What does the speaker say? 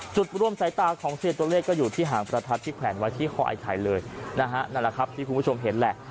จุดร่วมสายตาของเซียนตัวเลขก็อยู่ที่หางประทัดที่แขวนไว้ที่คอไอ้ไข่เลยนะฮะนั่นแหละครับที่คุณผู้ชมเห็นแหละ